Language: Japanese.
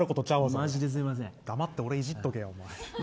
黙って俺、いじっとけや。